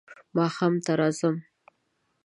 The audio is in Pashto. ماښام ته راځم .